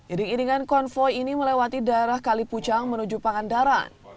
iring iringan konvoy ini melewati daerah kalipucang menuju pangandaran